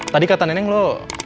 tadi kata neneng lo